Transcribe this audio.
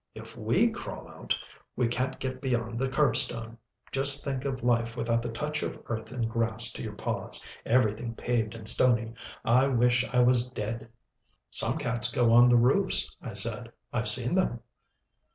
If we crawl out, we can't get beyond the curbstone. Just think of life without the touch of earth and grass to your paws. Everything paved and stony. I wish I was dead." "Some cats go on the roofs," I said. "I've seen them."